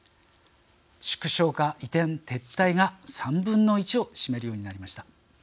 縮小化、移転、撤退が３分の１を占めるようになりました。